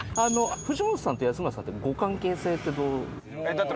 藤本さんと安村さんのご関係性ってどう？